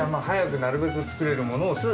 早くなるべく作れるものを。